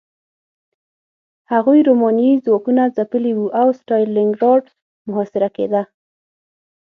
هغوی رومانیايي ځواکونه ځپلي وو او ستالینګراډ محاصره کېده